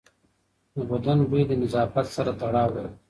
د بدن بوی د نظافت سره تړاو لري.